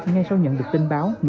ngay sau nhận được tin báo